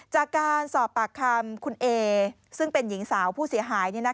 จากการสอบปากคำคุณเอซึ่งเป็นหญิงสาวผู้เสียหาย